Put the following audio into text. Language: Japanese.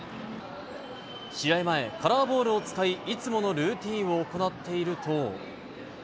試合前、カラーボールを使い、いつものルーティンを行っていると。